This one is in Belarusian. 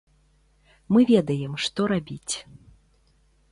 Мы ведаем, што рабіць.